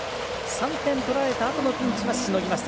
３点取られたあとのピンチはしのぎました。